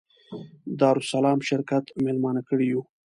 دارالسلام شرکت مېلمانه کړي یو.